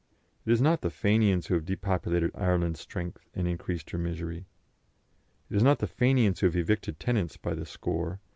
It is not the Fenians who have depopulated Ireland's strength and increased her misery. It is not the Fenians who have evicted tenants by the score.